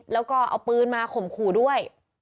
แล้วก็เอาปืนมาข่มขู่ด้วย